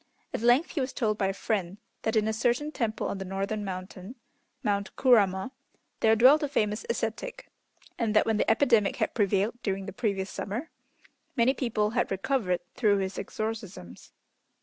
At length he was told by a friend that in a certain temple on the northern mountain (Mount Kurama) there dwelt a famous ascetic, and that when the epidemic had prevailed during the previous summer, many people had recovered through his exorcisms.